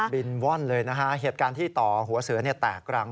ว่อนเลยนะฮะเหตุการณ์ที่ต่อหัวเสือแตกรัง